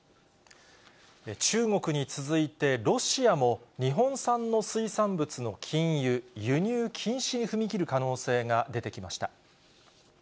中国に続いて、ロシアも、日本産の水産物の禁輸、輸入禁止に踏み切る可能性が出てきました。